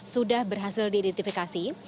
sudah berhasil diidentifikasi